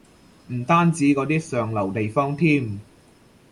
唔單止嗰啲上流地方添